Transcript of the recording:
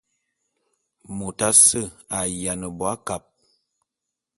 Mot asse a’ayiana bo akab.